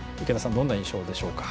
どんな印象でしょうか？